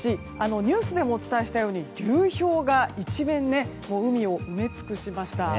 ニュースでもお伝えしたように流氷が一面、海を埋め尽くしました。